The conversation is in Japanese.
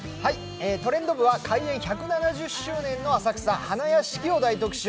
「トレンド部」は開園１７０周年の浅草花やしきを大特集。